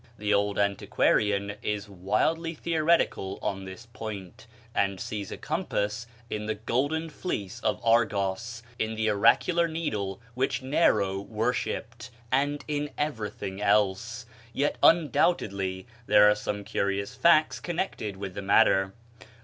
The old antiquarian is wildly theoretical on this point, and sees a compass in the Golden Fleece of Argos, in the oracular needle which Nero worshipped, and in everything else. Yet undoubtedly there are some curious facts connected with the matter.